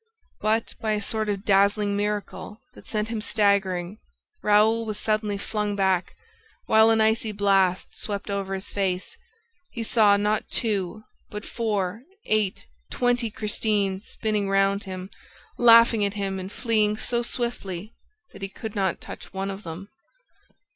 But, by a sort of dazzling miracle that sent him staggering, Raoul was suddenly flung back, while an icy blast swept over his face; he saw, not two, but four, eight, twenty Christines spinning round him, laughing at him and fleeing so swiftly that he could not touch one of them.